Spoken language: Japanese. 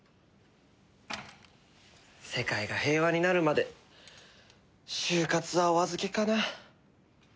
世界が平和になるまで就活はお預けかな。